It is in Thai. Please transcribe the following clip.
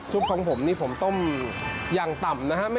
ของผมนี่ผมต้มอย่างต่ำนะฮะ